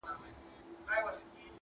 o د خپل کور پير چا ته نه معلومېږي!